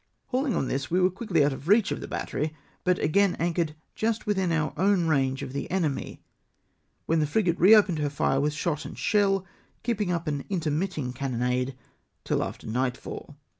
Hauling on this, we were quickly out of reach of the battery, but again anchored just within our own range of the enemy, when the frigate reopened her fire with shot and shell, keeping up an intermitting cannonade tiU after nightfall.